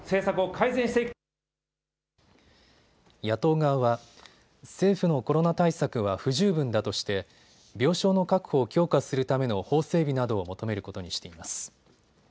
野党側は政府のコロナ対策は不十分だとして病床の確保を強化するための法整備などを求めることにしています。